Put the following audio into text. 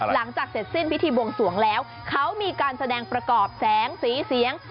หลังจากเสร็จสิ้นพิธีบวงสวงแล้วเขามีการแสดงประกอบแสงสีเสียง